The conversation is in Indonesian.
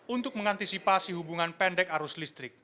untuk mengantisipasi hubungan pendek arus listrik